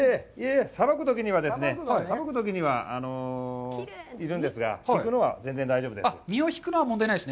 さばくときにはいるんですが、引くのは全然大丈夫です。